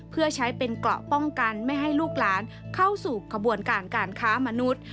เพื่อใช้เป็นเกราะป้องกันไม่ให้ลูกหลานเข้าสู่ขบวนการการค้ามนุษย์